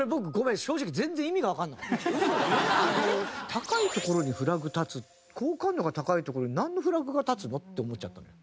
「高いところにフラグ立つ」好感度が高いところになんのフラグが立つの？って思っちゃったのよ。